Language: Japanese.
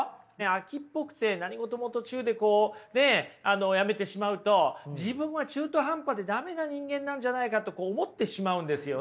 飽きっぽくて何事も途中でこうねやめてしまうと自分は中途半端で駄目な人間なんじゃないかって思ってしまうんですよね。